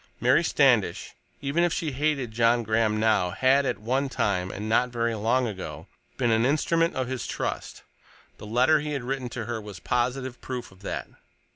Mary Standish, even if she hated John Graham now, had at one time—and not very long ago—been an instrument of his trust; the letter he had written to her was positive proof of that.